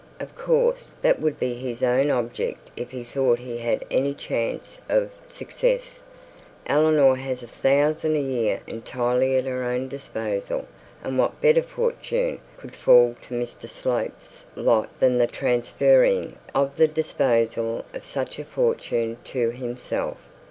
Of course that would be his own object if he thought he had any chance of success. Eleanor has a thousand a year entirely at her own disposal, and what better fortune could fall to Mr Slope's lot than the transferring of the disposal of such a fortune to himself?'